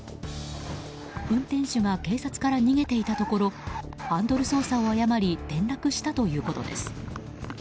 運転手が警察から逃げていたところハンドル操作を誤り転落したということです。